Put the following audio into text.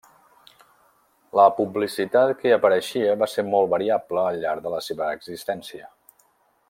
La publicitat que hi apareixia va ser molt variable al llarg de la seva existència.